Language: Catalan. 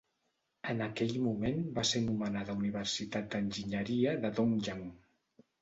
En aquell moment va ser anomenada Universitat d'Enginyeria de Dongyang.